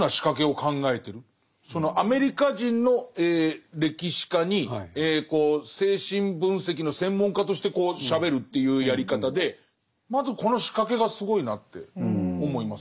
そのアメリカ人の歴史家に精神分析の専門家としてしゃべるというやり方でまずこの仕掛けがすごいなって思います。